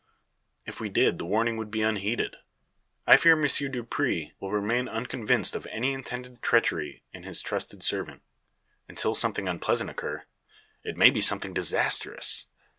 "If we did the warning would be unheeded. I fear Monsieur Dupre will remain unconvinced of any intended treachery in his trusted servant, until something unpleasant occur; it may be something disastrous.